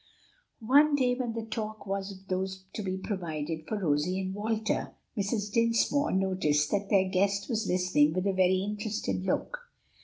One day when the talk was of those to be provided for Rosie and Walter, Mrs. Dinsmore noticed that their guest was listening with a very interested look.